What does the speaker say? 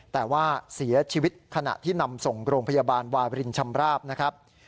แต่ว่าเสียชีวิตขณะที่นำส่งโรงพยาบาลวาบรินชำราบนะครับ